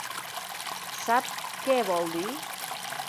Sap què vol dir?